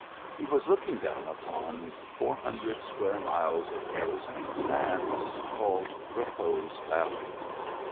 He was looking down upon four hundred square miles of Arizona sand, called Repose Valley.